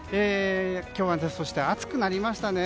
今日はそして、暑くなりましたね。